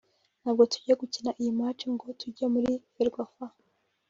ntabwo tugiye gukina iyi match ngo tujye muri Ferwafa